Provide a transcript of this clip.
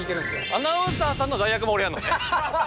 アナウンサーさんの代役も俺がやるの？